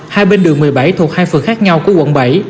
hai bên đường một mươi bảy thuộc hai phường khác nhau của quận bảy